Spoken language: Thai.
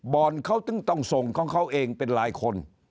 เขาถึงต้องส่งของเขาเองเป็นหลายคน